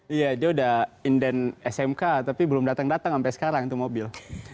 iya dia udah inden smk tapi belum datang datang sampai sekarang itu mobil